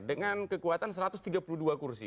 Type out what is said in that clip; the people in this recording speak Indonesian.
dengan kekuatan satu ratus tiga puluh dua kursi